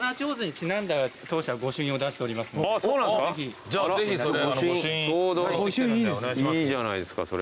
ちょうどいいじゃないですか。